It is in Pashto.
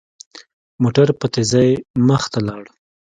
موټر په تېزۍ مخ ته لاړ.